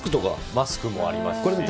マスクもありますし。